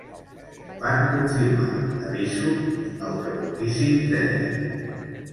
Van confirmar 'de visu' el que moltíssims deien.